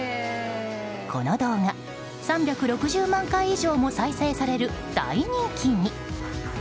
この動画、３６０万回以上も再生される大人気に。